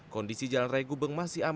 kondisi jalan raya gubeng masih aman